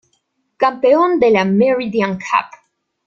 Campeón de la Meridian Cup.